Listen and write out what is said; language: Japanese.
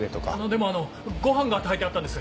でもあのご飯が炊いてあったんです。